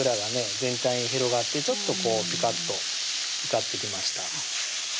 全体に広がってちょっとピカッと光ってきました